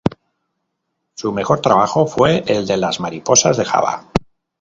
Su mejor trabajo fue el de las mariposas de Java.